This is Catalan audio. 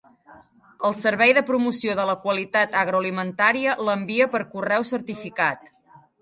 El Servei de Promoció de la Qualitat Agroalimentària l'envia per correu certificat.